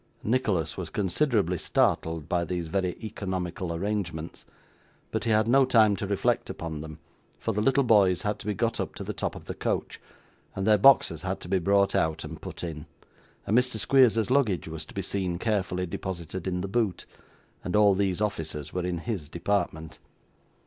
Nicholas was considerably startled by these very economical arrangements; but he had no time to reflect upon them, for the little boys had to be got up to the top of the coach, and their boxes had to be brought out and put in, and Mr. Squeers's luggage was to be seen carefully deposited in the boot, and all these offices were in his department.